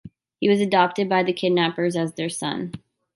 He was adopted by the kidnappers as their son.